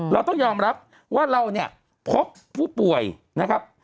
เราต้องยอมรับว่าเราเนี่ยพบผู้ป่วยนะครับ